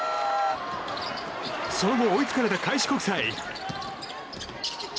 その後、追いつかれた開志国際。